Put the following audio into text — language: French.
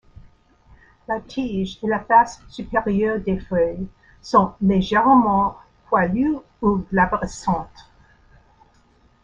La tige et la face supérieure des feuilles sont légèrement poilues ou glabrescentes.